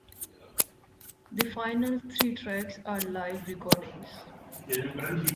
The final three tracks are live recordings.